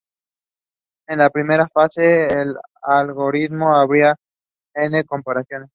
En la primera fase del algoritmo habrá n comparaciones.